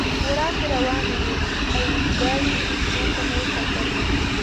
وړاندې روانې وې، د اورګاډي انجنیر ته مې وکتل.